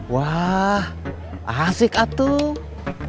wah asik atung